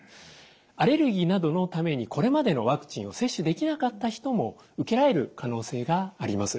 アレルギーなどのためにこれまでのワクチンを接種できなかった人も受けられる可能性があります。